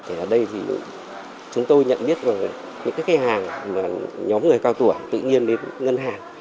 ở đây thì chúng tôi nhận biết những cái hàng mà nhóm người cao tủa tự nhiên đến ngân hàng